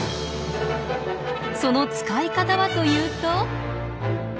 その使い方はというと。